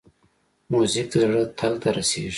موزیک د زړه تل ته رسېږي.